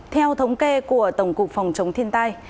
theo thống kê của tổng cục phòng chống thiên tai